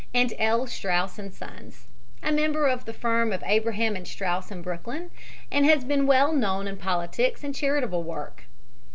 and L. Straus & Sons, a member of the firm of Abraham & Straus in Brooklyn, and has been well known in politics and charitable work.